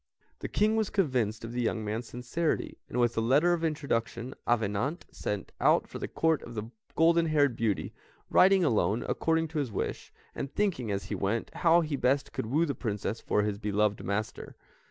The King was convinced of the young man's sincerity, and with a letter of introduction, Avenant set out for the Court of the goldenhaired beauty, riding alone, according to his wish, and thinking as he went how he best could woo the Princess for his beloved master.